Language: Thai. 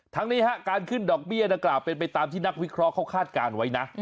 ทั้งนี้การขึ้นดอกเบี้ยดังกล่าวเป็นไปตามที่นักวิเคราะห์เขาคาดการณ์ไว้นะ